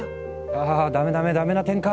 あダメダメダメな展開。